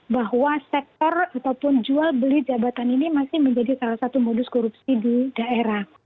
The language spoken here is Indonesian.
bahwa sektor ataupun jual beli jabatan ini masih menjadi salah satu modus korupsi di daerah